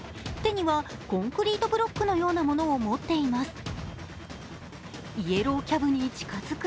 手にはコンクリートブロックのようなものを持っています。